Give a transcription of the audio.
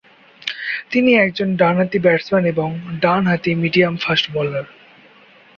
তিনি একজন ডান হাতি ব্যাটসম্যান এবং ডান-হাতি মিডিয়াম ফাস্ট বোলার।